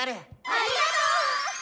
ありがとう！